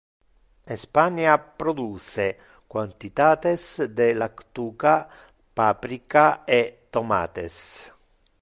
Espania produce quantitates de lactuca, paprika e tomates.